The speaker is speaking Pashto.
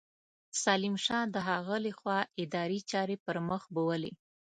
سلیم شاه د هغه له خوا اداري چارې پرمخ بېولې.